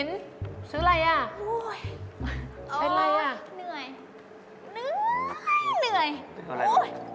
ขอชื่นใจหน่อยพี่